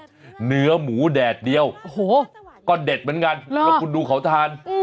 เนื้อหมูแดดเดียวโอ้โหก็เด็ดเหมือนกันแล้วคุณดูเขาทาน